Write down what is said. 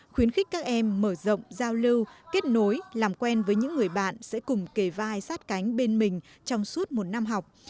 khuyến khích các em mở rộng giao lưu kết nối làm quen với những người bạn sẽ cùng kề vai sát cánh bên mình trong suốt một năm học